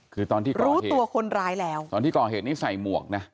คือตอนที่รู้ตัวคนร้ายแล้วตอนที่ก่อเหตุนี้ใส่หมวกนะ